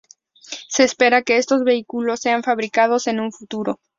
Se espera que estos vehículos sean fabricados en un futuro.